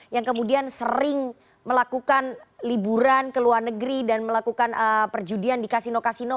yang kemudian sering melakukan liburan ke luar negeri dan melakukan perjudian di kasino kasino